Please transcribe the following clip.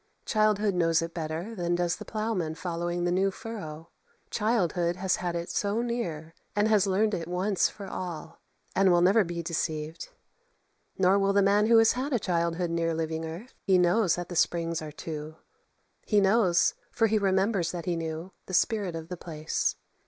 Childhood knows it better than does the ploughman following the new furrow. Childhood has had it so near, and has learned it once for all, and will never be deceived, nor will the man who has had a childhood near living earth; he knows that the springs are two. He knows, for he remembers that he knew, the spirit of the place.